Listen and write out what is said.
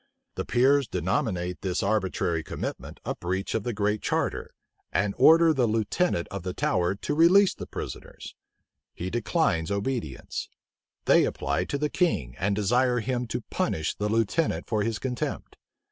The peers denominate this arbitrary commitment a breach of the Great Charter, and order the lieutenant of the Tower to release the prisoners: he declines obedience: they apply to the king, and desire him to punish the lieutenant for his contempt.